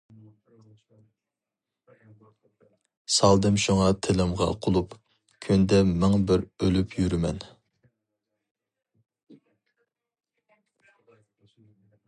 سالدىم شۇڭا تىلىمغا قۇلۇپ، كۈندە مىڭ بىر ئۆلۈپ يۈرىمەن.